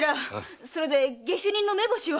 それで下手人の目星は？